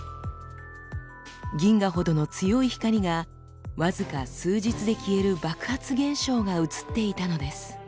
銀河ほどの強い光が僅か数日で消える爆発現象が写っていたのです。